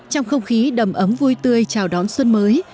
trong không khí đầm ấm vui tươi chào đón xuân mới